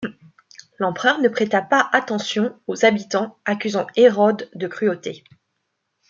L'empereur ne prêta pas attention aux habitants accusant Hérode de cruauté.